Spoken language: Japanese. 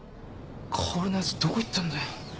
薫のやつどこ行ったんだよ。